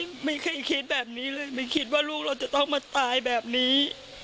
ไม่เคยคิดแบบนี้เลยไม่คิดว่าลูกเราจะต้องมาตายแบบนี้